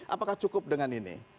apakah cukup dengan ini